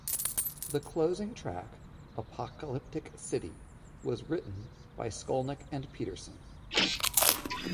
The closing track, "Apocalyptic City", was written by Skolnick and Peterson.